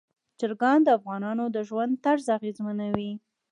چرګان د افغانانو د ژوند طرز اغېزمنوي.